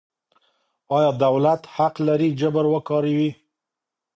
آیا دولت حق لري جبر وکاروي؟